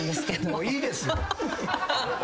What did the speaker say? もういいですよ。